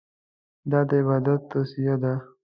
دا د عبادت توصیه ده.